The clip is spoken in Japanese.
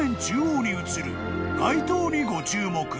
中央に映る街灯にご注目］